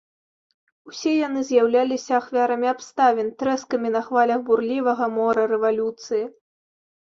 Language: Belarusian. Усе яны з'яўляліся ахвярамі абставін, трэскамі на хвалях бурлівага мора рэвалюцыі.